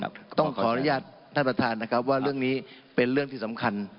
ขออนุญาตท่านประธานว่าเรื่องนี้เป็นเรื่องที่สำคัญ